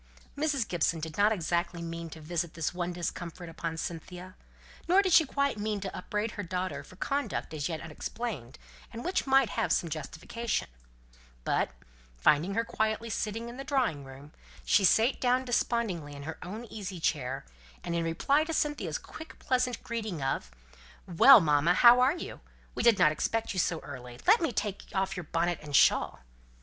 Mrs. Gibson did not exactly mean to visit this one discomfort upon Cynthia, nor did she quite mean to upbraid her daughter for conduct as yet unexplained, and which might have some justification; but, finding her quietly sitting in the drawing room, she sate down despondingly in her own little easy chair, and in reply to Cynthia's quick pleasant greeting of "Well, mamma, how are you? We didn't expect you so early! Let me take off your bonnet and shawl!"